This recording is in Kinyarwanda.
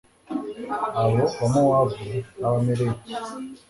abo bamowabu n'abamareki